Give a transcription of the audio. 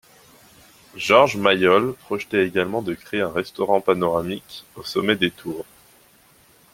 Georges Maillols projetait également de créer un restaurant panoramique au sommet des tours.